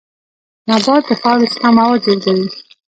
نبات د خاورې څخه مواد جذبوي